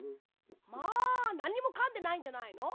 まあなんにもかんでないんじゃないの？